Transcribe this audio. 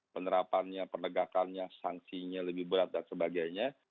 penerapannya penegakannya sanksinya lebih berat dan sebagainya